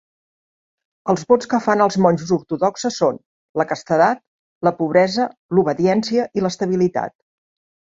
Els vots que fan els monjos ortodoxes són: la castedat, la pobresa, l'obediència i l'estabilitat.